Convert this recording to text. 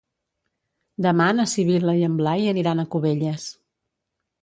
Demà na Sibil·la i en Blai aniran a Cubelles.